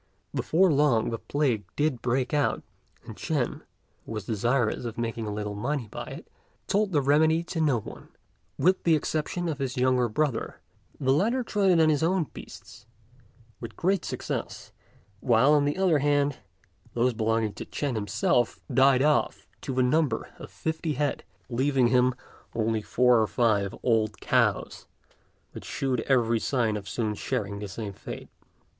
Before long the plague did break out; and Ch'ên, who was desirous of making a little money by it, told the remedy to no one, with the exception of his younger brother. The latter tried it on his own beasts with great success; while, on the other hand, those belonging to Ch'ên himself died off, to the number of fifty head, leaving him only four or five old cows, which shewed every sign of soon sharing the same fate.